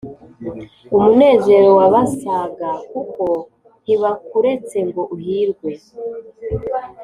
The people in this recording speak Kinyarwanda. Umunezero wabasaga Kuko ntibakuretse ngo uhirwe